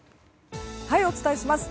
お伝えします。